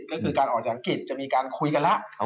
ก็คือการออกจากอังกฤษจะมีการคุยกันแล้ว